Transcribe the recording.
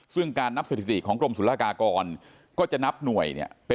ซึ่งการนับเศรษฐิติของกรมศูนย์ศูนยากากรก็จะนับหน่วย